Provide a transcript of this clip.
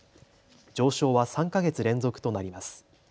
上昇は３か月連続となります。